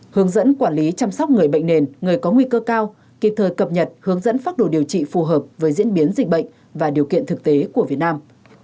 hướng dẫn quản lý chăm sóc người bệnh nền người có nguy cơ cao kịp thời cập nhật hướng dẫn pháp đồ điều trị phù hợp với diễn biến dịch bệnh và điều kiện thực tế của việt nam